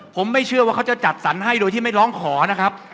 ผมไม่เชื่อว่าเขาจะจัดสรรให้โดยที่ไม่ร้องขอนะครับ